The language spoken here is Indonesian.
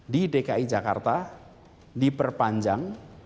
di dki jakarta diperpanjang